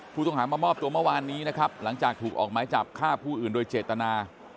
ผู้ต้องหามามอบตัวเมื่อวานนี้นะครับหลังจากถูกออกไม้จับฆ่าผู้อื่นโดยเจตนา